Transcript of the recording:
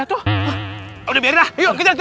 udah biarin lah yuk kejar